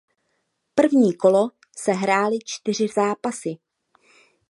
První kolo se hrály čtyři zápasy.